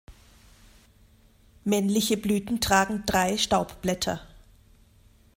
Männliche Blüten tragen drei Staubblätter.